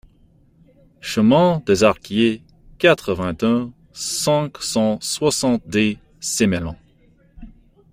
Chemin des Arquiés, quatre-vingt-un, cinq cent soixante-dix Sémalens